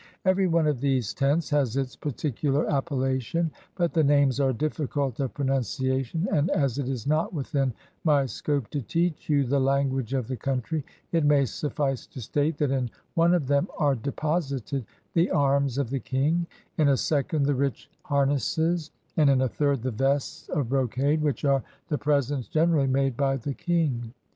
Every one of these tents has its particular appellation, but the names are difficult of pronunciation, and as it is not within my scope to teach you the language of the country, it may suffice to state that in one of them are deposited the arms of the king; in a second the rich harnesses; and in a third the vests of brocade, which are the presents generally made by the king.